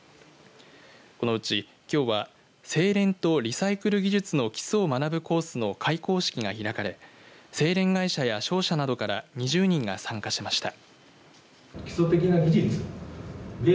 このうち、きょうは製錬とリサイクル技術の基礎を学ぶコースの開講式が開かれ製錬会社や商社などから２０人が参加しました。